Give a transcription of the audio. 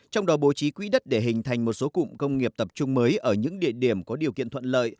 trong đó bố trí quỹ đất để hình thành một số cụm công nghiệp tập trung mới ở những địa điểm có điều kiện thuận lợi